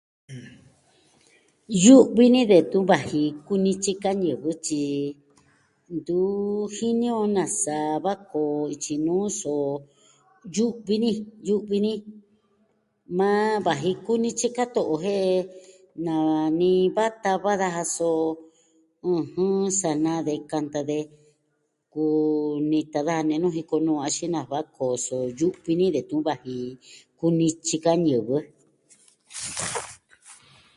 Yu'vi ni detun vaji kunityi ka ñivɨ tyi, ntu jini on nasa va koo ityi nuu, so yu'vi ni, yu'vi ni. Maa vaji kunityi ka to'o jen nanii va tava daja, so sa naa de kanta de kuni tan daja nenu jiko nu axin na va koso yu'vi ni detun va iin kunityi ka ñivɨ.